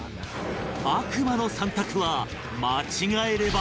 悪魔の３択は間違えれば